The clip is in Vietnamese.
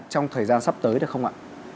trong thời gian sắp tới được không ạ